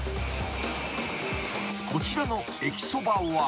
［こちらの駅そばは］